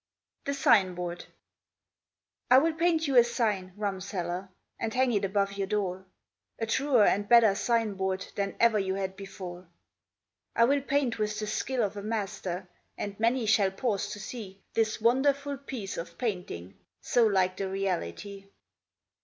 THE SIGNBOARD I will paint you a sign, rumseller, And hang it above your door; A truer and better signboard Than ever you had before. I will paint with the skill of a master, And many shall pause to see This wonderful piece of painting, So like the reality.